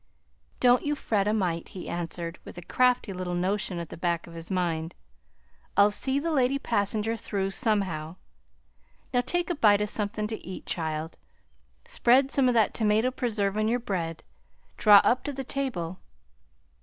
"Don't you fret a mite," he answered, with a crafty little notion at the back of his mind; "I'll see the lady passenger through somehow. Now take a bite o' somethin' to eat, child. Spread some o' that tomato preserve on your bread; draw up to the table.